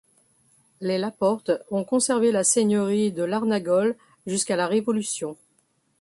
Les Laporte ont conservé la seigneurie de Larnagol jusqu'à la Révolution.